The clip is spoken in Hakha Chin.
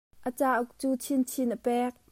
A cauk cu Chinchin a pek.